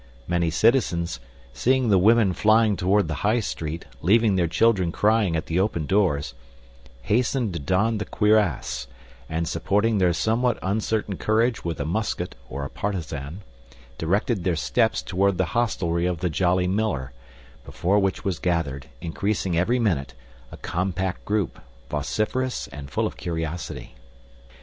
Many citizens, seeing the women flying toward the High Street, leaving their children crying at the open doors, hastened to don the cuirass, and supporting their somewhat uncertain courage with a musket or a partisan, directed their steps toward the hostelry of the Jolly Miller, before which was gathered, increasing every minute, a compact group, vociferous and full of curiosity.